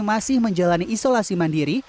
masih menjalani isolasi mandiri